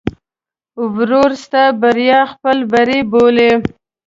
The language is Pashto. ورور ستا بریا خپل بری بولي.